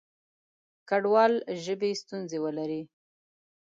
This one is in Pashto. کډوال ژبې ستونزې ولري.